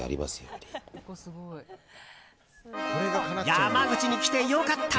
山口に来て良かった！